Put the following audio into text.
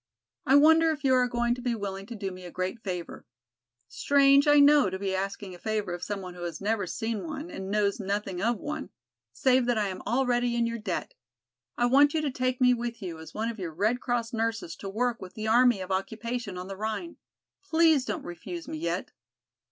"I wonder if you are going to be willing to do me a great favor? Strange, I know, to be asking a favor of some one who has never seen one and knows nothing of one, save that I am already in your debt! I want you to take me with you as one of your Red Cross nurses to work with the army of occupation on the Rhine. Please don't refuse me yet.